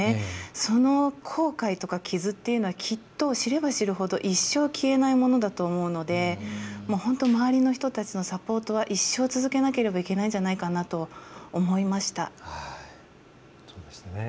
その後悔とか傷っていうのはきっと知れば知るほど一生、消えないものだと思うので本当、周りの人たちのサポートは一生続けなきゃいけないと思いました。